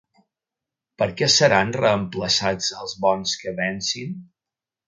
Per què seran reemplaçats els bons que vencin?